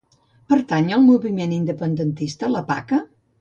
Pertany al moviment independentista la Paca?